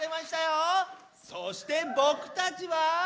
そしてぼくたちは。